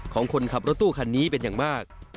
คนขับรถตู้คันนี้เป็นอย่างมาก